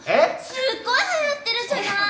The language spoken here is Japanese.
すっごい流行ってるじゃない。